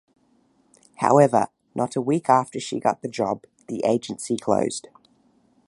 However, not a week after she got the job, the agency closed.